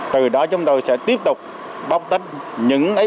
từ đó chúng tôi sẽ tiếp tục bóc tách những f f một f hai để làm như thế nào đó